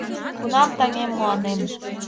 Кунам, таҥем, мыланем